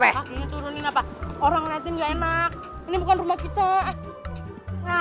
kakinya turunin apa orang ngeliatin gak enak ini bukan rumah kita